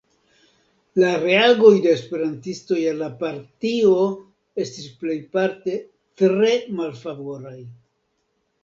La reagoj de esperantistoj al la partio estis plejparte tre malfavoraj.